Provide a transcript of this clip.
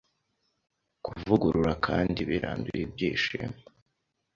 kuvugurura kandi biranduye Ibyishimo